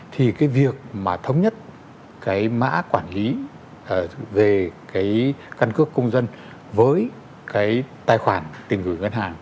thì cái việc mà thống nhất cái mã quản lý về cái căn cước công dân với cái tài khoản tiền gửi ngân hàng